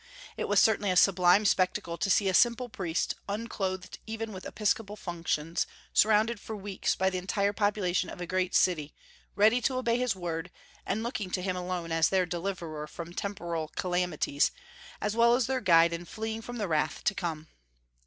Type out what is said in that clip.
It was certainly a sublime spectacle to see a simple priest, unclothed even with episcopal functions, surrounded for weeks by the entire population of a great city, ready to obey his word, and looking to him alone as their deliverer from temporal calamities, as well as their guide in fleeing from the wrath to come.